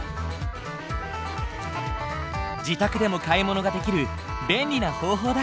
自宅でも買い物ができる便利な方法だ。